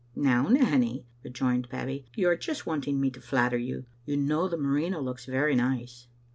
" Now, Nanny," rejoined Babbie, " you are just want ing me to flatter you. You know the merino looks very nice."